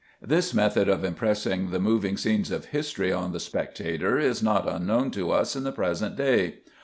This method of impressing the moving scenes of history on the spectator is not unknown to us in the present day.